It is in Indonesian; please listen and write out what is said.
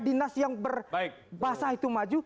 dinas yang berbasa itu maju